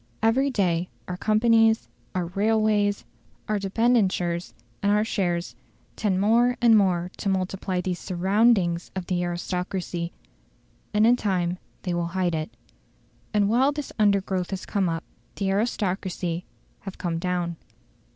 Every day our companies, our railways, our debentures, and our shares, tend more and more to multiply these SURROUNDINGS of the aristocracy, and in time they will hide it. And while this undergrowth has come up, the aristocracy have come down.